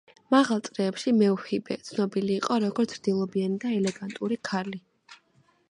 მაღალ წრეებში მევჰიბე ცნობილი იყო როგორც ზრდილობიანი და ელეგანტური ქალი.